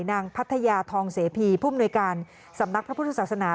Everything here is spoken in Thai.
พัทยาทองเสพีผู้มนุยการสำนักพระพุทธศาสนา